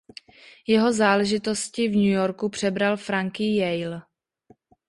Jeho záležitosti v New Yorku přebral Frankie Yale.